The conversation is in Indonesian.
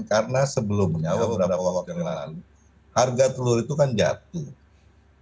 karena sebelumnya harga telur itu kan jatuh